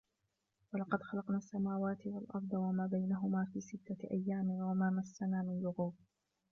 وَلَقَدْ خَلَقْنَا السَّمَاوَاتِ وَالْأَرْضَ وَمَا بَيْنَهُمَا فِي سِتَّةِ أَيَّامٍ وَمَا مَسَّنَا مِنْ لُغُوبٍ